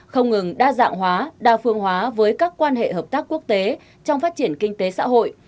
không ngừng đa dạng hóa đa phương hóa với các quan hệ hợp tác quốc tế trong phát triển kinh tế xã hội